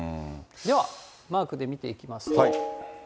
ではマークで見ていきますと。